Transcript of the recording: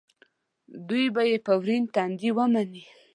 دوی به یې په ورین تندي ومني.